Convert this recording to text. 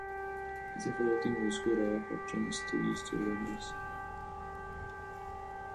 Este fue el último disco grabado en Trident Studios de Londres.